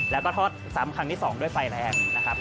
แล้วก็ทอดซ้ำครั้งที่๒ด้วยไฟแรงนะครับ